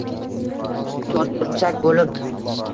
toʼrtburchak boʼlib